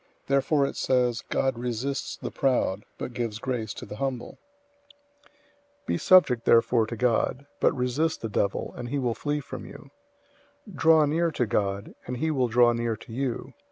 Therefore it says, "God resists the proud, but gives grace to the humble."{Proverbs 3:34} 004:007 Be subject therefore to God. But resist the devil, and he will flee from you. 004:008 Draw near to God, and he will draw near to you.